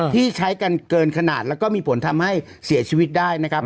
ที่ใช้กันเกินขนาดแล้วก็มีผลทำให้เสียชีวิตได้นะครับ